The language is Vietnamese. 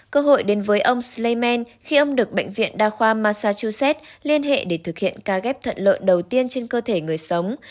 cơ hội đến với ông sleymen khi ông được bệnh viện đa khoa massachusetts liên hệ để thực hiện ca ghép thận lợi đầu tiên trên cơ thể người sống